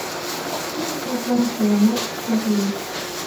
Ик жаплан чыланат шып лийыч.